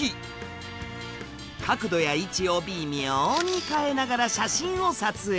角度や位置を微妙に変えながら写真を撮影。